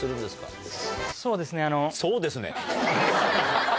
「そうですね」？